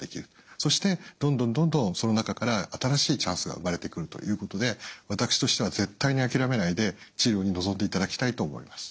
そしてどんどんどんどんその中から新しいチャンスが生まれてくるということで私としては絶対に諦めないで治療に臨んでいただきたいと思います。